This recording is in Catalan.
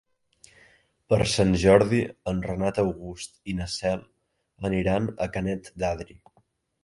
Per Sant Jordi en Renat August i na Cel aniran a Canet d'Adri.